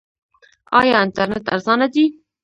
آیا انټرنیټ ارزانه دی؟